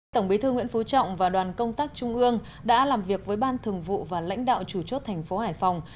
tổng bí thư nguyễn phú trọng và đoàn công tác trung ương đã làm việc với ban thường vụ và lãnh đạo chủ chốt thành phố hải phòng